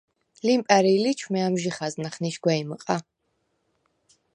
ლიმპა̈რი̄ ლიჩვმე ამჟი ხაზნახ ნიშგვეჲმჷყ-ა: